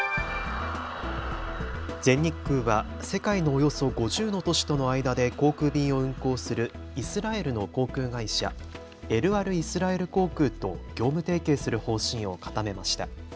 全日空は世界のおよそ５０の都市との間で航空便を運航するイスラエルの航空会社、エルアルイスラエル航空と業務提携する方針を固めました。